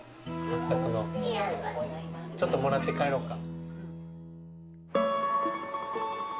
はっさくのちょっともらって帰ろうか。